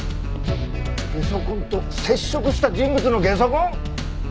ゲソ痕と接触した人物のゲソ痕！？